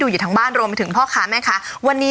อยู่ทั้งบ้านรวมไปถึงพ่อค้าแม่ค้าวันนี้